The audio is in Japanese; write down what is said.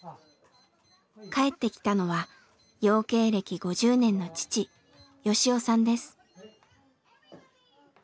帰ってきたのは養鶏歴５０年の父吉雄さんです。